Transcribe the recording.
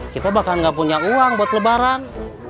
kita bahkan gak punya uang buat lebaran